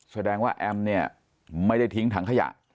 แสดงว่าแอมเนี่ยไม่ได้ทิ้งถังขยะ